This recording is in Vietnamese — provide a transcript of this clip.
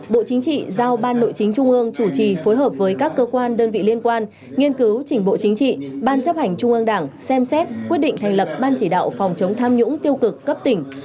bộ chính trị giao ban nội chính trung ương chủ trì phối hợp với các cơ quan đơn vị liên quan nghiên cứu trình bộ chính trị ban chấp hành trung ương đảng xem xét quyết định thành lập ban chỉ đạo phòng chống tham nhũng tiêu cực cấp tỉnh